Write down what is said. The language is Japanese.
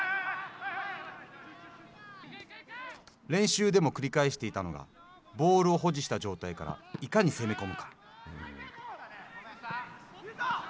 練習でも繰り返していたのがボールを保持した状態からいかに攻め込むか。